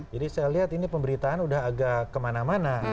jadi saya lihat ini pemberitaan udah agak kemana mana